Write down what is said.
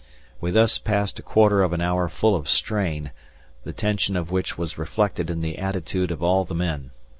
] We thus passed a quarter of an hour full of strain, the tension of which was reflected in the attitude of all the men.